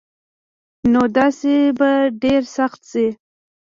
نو داسي به ډيره سخته شي